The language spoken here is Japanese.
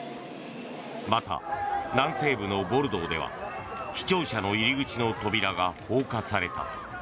また、南西部のボルドーでは市庁舎の入り口の扉が放火された。